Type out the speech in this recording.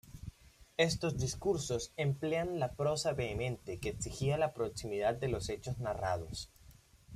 Estos discursos emplean la prosa vehemente que exigía la proximidad de los hechos narrados.